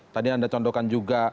tadi anda contohkan juga